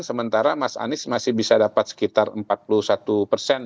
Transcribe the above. sementara mas anies masih bisa dapat sekitar empat puluh satu persen